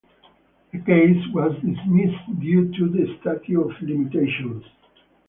The case was dismissed due to the statute of limitations.